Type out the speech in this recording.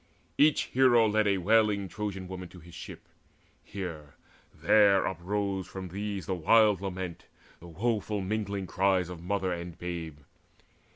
Each hero led A wailing Trojan woman to his ship. Here, there, uprose from these the wild lament, The woeful mingling cries of mother and babe.